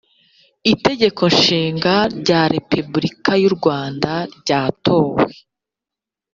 itegeko nshinga rya repubulika yu rwanda ryatowe